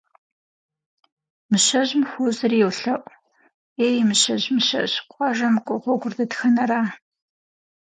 Мыщэжьым хуозэри йолъэӏу: Ей, Мыщэжь, Мыщэжь, къуажэм кӏуэ гъуэгур дэтхэнэра?